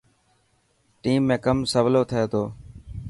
ٽيم ۾ ڪم سولو ٿي تو.